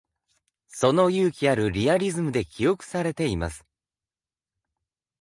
その勇気あるリアリズムで記憶されています。